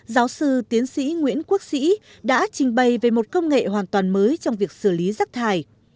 giáo sư tiến sĩ nguyễn quốc sĩ đã trình bày về một công nghệ hoàn toàn mới trong việc xử lý rắc thải